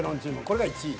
これが１位。